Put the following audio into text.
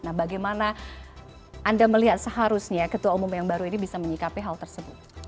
nah bagaimana anda melihat seharusnya ketua umum yang baru ini bisa menyikapi hal tersebut